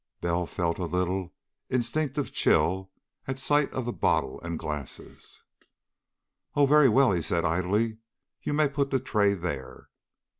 Bell felt a little instinctive chill at sight of the bottle and glasses. "Oh, very well," he said idly. "You may put the tray there."